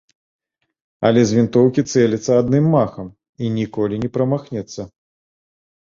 Але з вінтоўкі цэліцца адным махам і ніколі не прамахнецца.